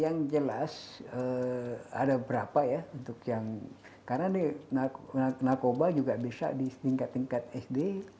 yang jelas ada berapa ya untuk yang karena narkoba juga bisa di tingkat tingkat sd